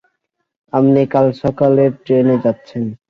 আপনি কাল সকালের ট্রেনে যাচ্ছেন।